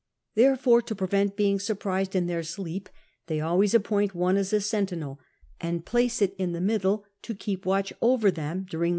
Therefore to prevent being surprised in their sleep they always appoint one as a sentinel and place it in tlie middle to keep watch over them during 140 CAPTAIN COOK on VI*.